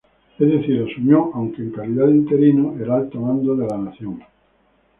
Es decir, asumió, aunque en calidad de interino, el alto mando de la nación.